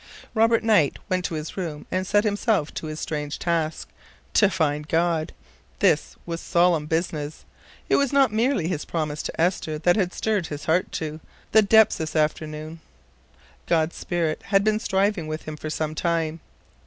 Robert Knight went to his room and set himself to his strange task. To find God! This was solemn business. It was not merely his promise to Esther that had stirred his heart to, the depths this afternoon. God's spirit had been striving with him for some time.